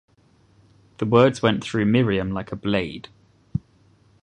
The words went through Miriam like a blade.